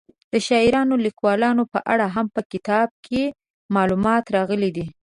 د شاعرانو او لیکوالو په اړه هم په دې کتاب کې معلومات راغلي دي.